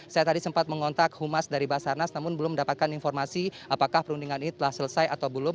saya tadi sempat mengontak humas dari basarnas namun belum mendapatkan informasi apakah perundingan ini telah selesai atau belum